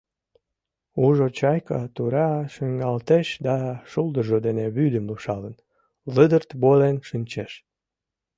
Южо чайка тура шуҥгалтеш да, шулдыржо дене вӱдым лупшалын, лыдырт волен шинчеш.